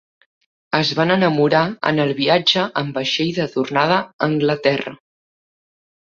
Es van enamorar en el viatge en vaixell de tornada a Anglaterra.